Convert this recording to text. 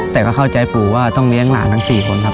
แต่ก็เข้าใจปู่ว่าต้องเลี้ยงหลานทั้ง๔คนครับ